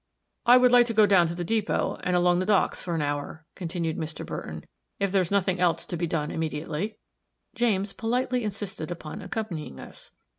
"I would like to go down to the depot, and along the docks for an hour," continued Mr. Burton, "if there's nothing else to be done immediately." James politely insisted upon accompanying us.